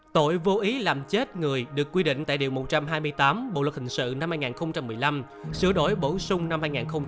tội vô ý làm chết người được quy định tại điều một trăm hai mươi tám bộ luật hình sự năm hai nghìn một mươi năm sửa đổi bổ sung năm hai nghìn một mươi bảy